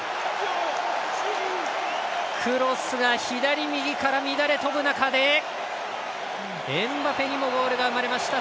クロスが左、右から乱れ飛ぶ中でエムバペにもゴールが生まれました！